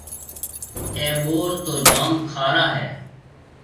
اَي ٻُور تو جوم کارا هيَ۔